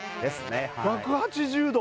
１８０度。